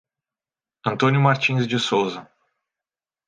Antônio Martins de Souza